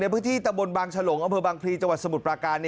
พื้นที่ตะบนบางฉลงอำเภอบางพลีจังหวัดสมุทรปราการ